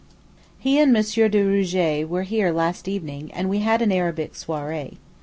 He and M. de Rougé were here last evening, and we had an Arabic soirée. M.